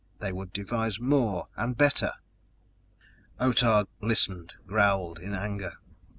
They would devise more and better! Otah listened, growled in anger.